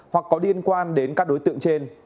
hoặc có liên quan đến các đối tượng trên